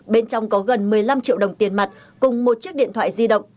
bên trong có gần một mươi năm triệu đồng tiền mặt cùng một chiếc điện thoại di động